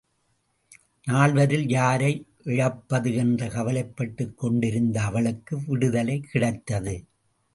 நால்வரில் யாரை இழப்பது என்று கவலைப்பட்டுக் கொண்டிருந்த அவளுக்கு விடுதலை கிடைத்தது.